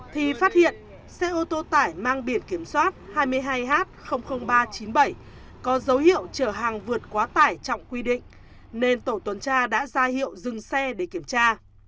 thì phát hiện xe ô tô tải mang biển kiểm soát hai mươi hai h ba trăm chín mươi bảy có dấu hiệu chở hàng vượt quá tải trọng quy định nên tổ tuần tra đã ra hiệu dừng xe để kiểm tra